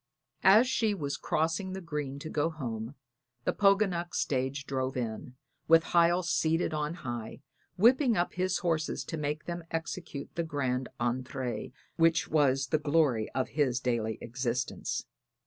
As she was crossing the green to go home the Poganuc stage drove in, with Hiel seated on high, whipping up his horses to make them execute that grand entrée which was the glory of his daily existence.